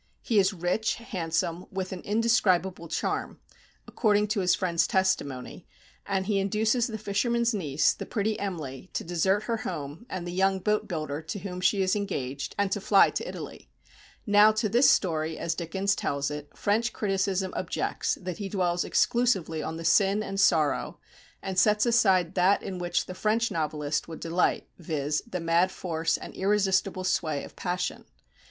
He is rich, handsome, with an indescribable charm, according to his friends' testimony, and he induces the fisherman's niece, the pretty Em'ly, to desert her home, and the young boat builder to whom she is engaged, and to fly to Italy. Now to this story, as Dickens tells it, French criticism objects that he dwells exclusively on the sin and sorrow, and sets aside that in which the French novelist would delight, viz., the mad force and irresistible sway of passion.